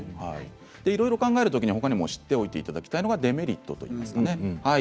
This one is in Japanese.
いろいろ考えるときに知っておいていただきたいのがデメリットです。